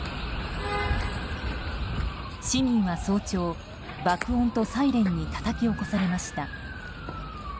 市民は早朝、爆音とサイレンにたたき起こされました。